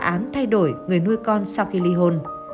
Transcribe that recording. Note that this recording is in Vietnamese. án thay đổi người nuôi con sau khi ly hôn